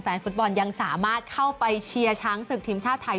ฟุตบอลยังสามารถเข้าไปเชียร์ช้างศึกทีมชาติไทย